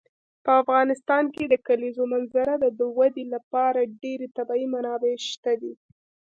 په افغانستان کې د کلیزو منظره د ودې لپاره ډېرې طبیعي منابع شته دي.